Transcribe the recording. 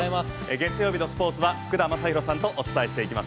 月曜日のスポーツは福田正博さんとお伝えしてまいります。